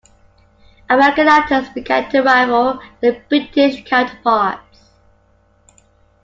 American actors began to rival their British counterparts.